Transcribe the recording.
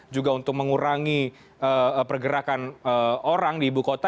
juga untuk mengurangi pergerakan orang di ibu kota